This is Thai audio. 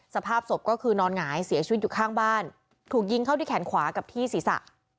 สภาพศพก็คือนอนหงายเสียชีวิตอยู่ข้างบ้านถูกยิงเข้าที่แขนขวากับที่ศีรษะ